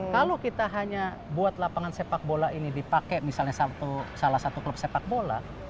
kalau kita hanya buat lapangan sepak bola ini dipakai misalnya salah satu klub sepak bola